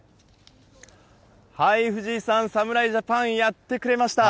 藤井さん、侍ジャパン、やってくれました。